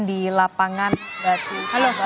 di lapangan batu